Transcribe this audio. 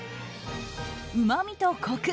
うまみとコク